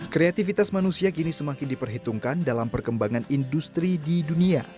kreativitas manusia kini semakin diperhitungkan dalam perkembangan industri di dunia